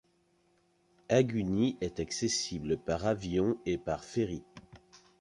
Aguni est accessible par avion et par ferry.